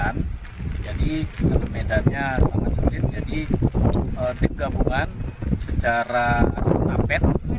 normal ya perjalanan membutuhkan waktu enam menit